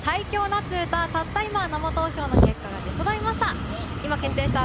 夏うたたった今生投票の結果が出そろいました。